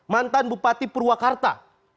mantan bupati purwakarta